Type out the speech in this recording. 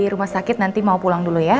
rumah sakit nanti mau pulang dulu ya